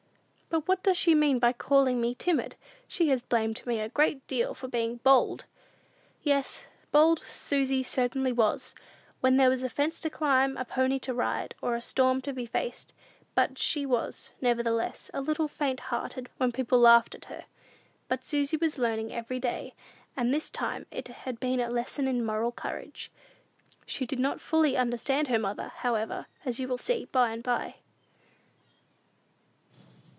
"But what does she mean by calling me timid? She has blamed me a great deal for being bold." Yes, bold Susy certainly was, when there was a fence to climb, a pony to ride, or a storm to be faced; but she was, nevertheless, a little faint hearted when people laughed at her. But Susy was learning every day, and this time it had been a lesson in moral courage. She did not fully understand her mother, however, as you will see by and by.